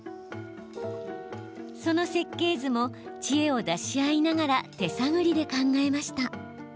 その設計図も知恵を出し合いながら手探りで考えました。